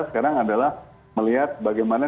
sekarang adalah melihat bagaimana